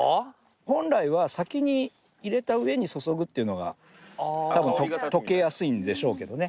本来は先に入れた上に注ぐっていうのが多分溶けやすいんでしょうけどね。